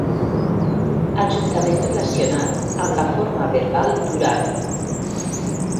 Ajuntament relacionat amb la forma verbal “duran”.